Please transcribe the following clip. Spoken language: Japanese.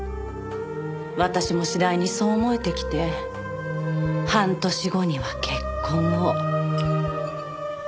私も次第にそう思えてきて半年後には結婚を。